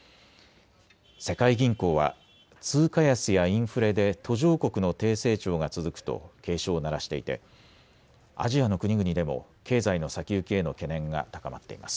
世界銀行は通貨安やインフレで途上国の低成長が続くと警鐘を鳴らしていてアジアの国々でも経済の先行きへの懸念が高まっています。